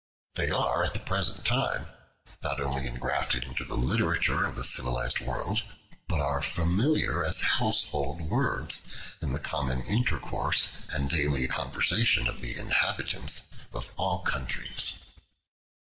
They are, at the present time, not only engrafted into the literature of the civilized world, but are familiar as household words in the common intercourse and daily conversation of the inhabitants of all countries.